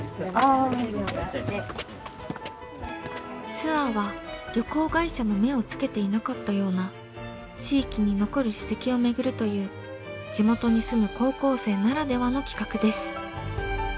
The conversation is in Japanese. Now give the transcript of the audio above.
ツアーは旅行会社も目をつけていなかったような地域に残る史跡を巡るという地元に住む高校生ならではの企画です。